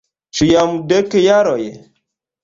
Ĉu jam dek jaroj?